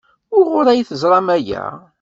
Wuɣur ay d-teẓram aya?